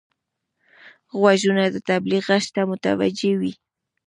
غوږونه د تبلیغ غږ ته متوجه وي